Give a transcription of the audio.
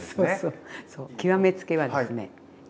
極め付けはですね